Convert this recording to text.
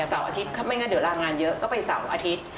เสาร์อาทิตย์ไม่งั้นเดี๋ยวลางานเยอะก็ไปเสาร์อาทิตย์